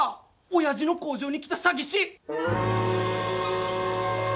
親父の工場に来た詐欺師。